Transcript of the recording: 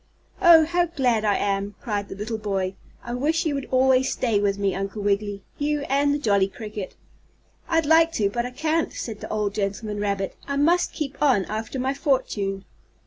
"Oh, how glad I am!" cried the little boy. "I wish you would always stay with me, Uncle Wiggily you and the jolly cricket." "I'd like to, but I can't," said the old gentleman rabbit. "I must keep on after my fortune."